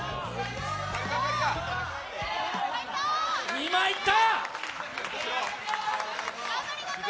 ２枚いった！